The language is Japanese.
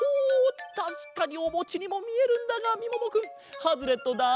たしかにおもちにもみえるんだがみももくんハズレットだ。